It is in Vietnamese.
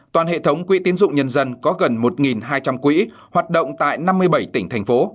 toàn hệ thống quỹ tiến dụng nhân dân có gần một hai trăm linh quỹ hoạt động tại năm mươi bảy tỉnh thành phố